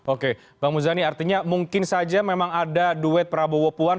oke bang muzani artinya mungkin saja memang ada duet prabowo puan